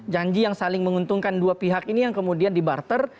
janji yang saling menguntungkan dua pihak ini yang kemudian dibarter